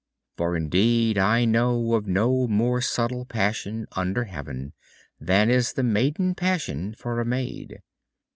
"for indeed I know Of no more subtle passion under heaven Than is the maiden passion for a maid.